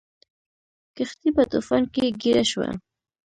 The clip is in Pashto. کښتۍ په طوفان کې ګیره شوه.